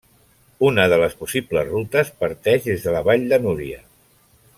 Una de les possibles rutes parteix des de la Vall de Núria.